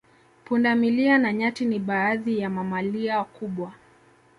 Punda milia na nyati ni baadhi ya mamalia kubwa